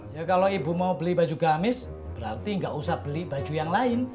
ya kalau ibu mau beli baju gamis berarti nggak usah beli baju yang lain